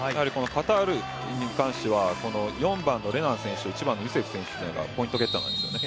カタールに関しては４番のレナン選手１番のユセフ選手がポイントゲッターなんですよね。